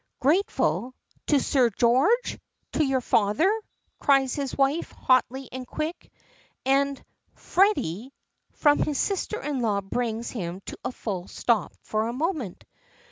"Grateful! To Sir George! To your father!" cries his wife, hotly and quick, and "Freddy!" from his sister in law brings him to a full stop for a moment.